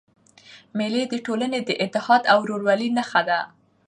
مېلې د ټولني د اتحاد او ورورولۍ نخښه ده.